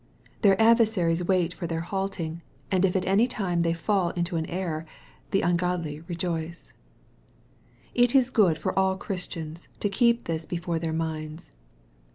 Their adversaries wait for their halting, and if at any time they fall into an error, the ungodly rejoice. It is good for all Christians to keep this before their minds.